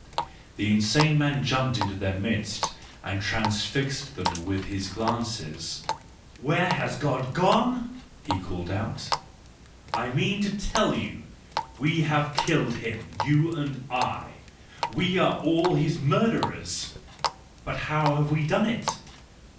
The insane man jumped into their midst and transfixed them with his glances. " Where is God gone ?" he called out. " I mean to tell you ! We have killed him ,—you and I! We are all his murderers ! But how have we done it